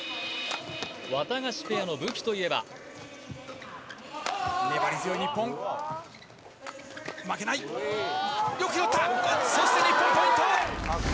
ワタガシペアの武器といえば負けないそして日本ポイント！